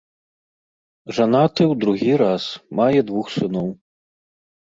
Жанаты ў другі раз, мае двух сыноў.